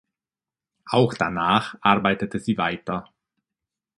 Auch danach arbeitete sie weiter.